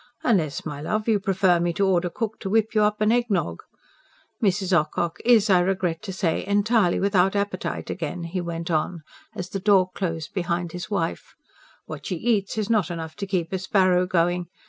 "Unless, my love, you prefer me to order cook to whip you up an egg nog. Mrs. Ocock is, I regret to say, entirely without appetite again," he went on, as the door closed behind his wife. "What she eats is not enough to keep a sparrow going.